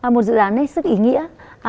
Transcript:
một dự án sức ý nghĩa